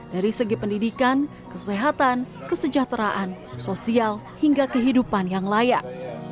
dari segi pendidikan kesehatan kesejahteraan sosial hingga kehidupan yang layak